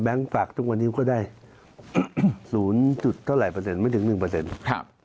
แบงค์ฝากทุกวันนี้ก็ได้๐จุดเท่าไหร่เปอร์เซ็นต์ไม่ถึง๑เปอร์เซ็นต์